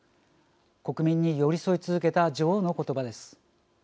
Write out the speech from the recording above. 国民に寄り添い続けた女王の言葉です。